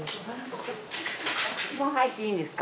もう入っていいんですか？